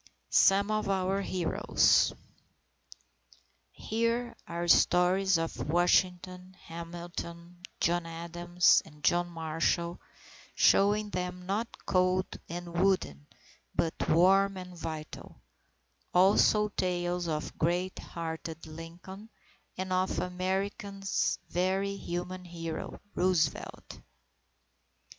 SOME OF OUR HEROES Here are stories of Washington, Hamilton, John Adams, and John Marshall showing them not cold and wooden, but warm and vital; also tales of great hearted Lincoln, and of America's very human hero, Roosevelt.